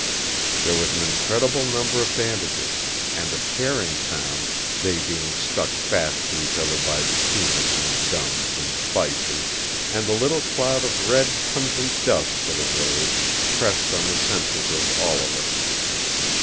There was an incredible number of bandages; and the tearing sound—they being stuck fast to each other by bitumen and gums and spices—and the little cloud of red pungent dust that arose, pressed on the senses of all of us.